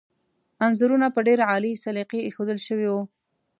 انځورونه په ډېر عالي سلیقې ایښودل شوي وو.